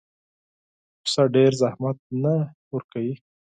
پسه ډېر زحمت نه ورکوي.